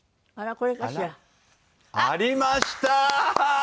ありましたー！